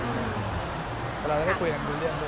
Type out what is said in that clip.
ครับผมเราจะได้คุยกันด้วยเรื่องด้วย